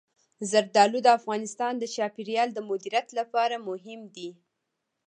زردالو د افغانستان د چاپیریال د مدیریت لپاره مهم دي.